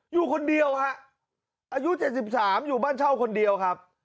อยู่คนเดียวฮะอายุ๗๓อยู่บ้านเช่าคนเดียวครับ